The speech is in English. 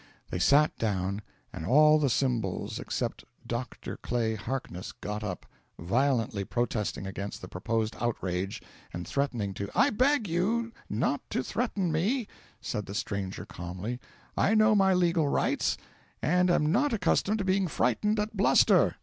They sat down, and all the Symbols except "Dr." Clay Harkness got up, violently protesting against the proposed outrage, and threatening to "I beg you not to threaten me," said the stranger calmly. "I know my legal rights, and am not accustomed to being frightened at bluster."